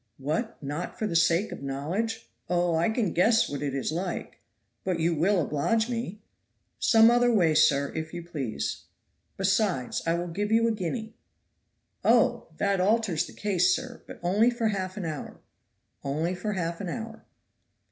"What, not for the sake of knowledge?" "Oh! I can guess what it is like." "But you will oblige me?" "Some other way, sir, if you please." "Besides, I will give you a guinea." "Oh! that alters the case, sir. But only for half an hour." "Only for half an hour."